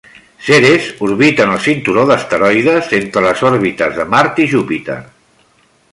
Ceres orbita en el cinturó d'asteroides, entre les òrbites de Mart i Júpiter.